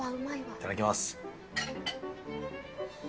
いただきます。